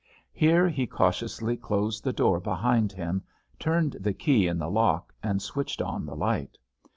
Here he cautiously closed the door behind him, turned the key in the lock and switched on the light.